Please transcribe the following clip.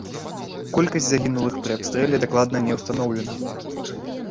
Колькасць загінулых пры абстрэле дакладна не ўстаноўлена.